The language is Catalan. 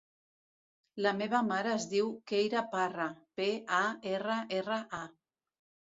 La meva mare es diu Keira Parra: pe, a, erra, erra, a.